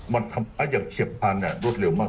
มันทำมาอย่างเฉียบพลันรึดเร็วมาก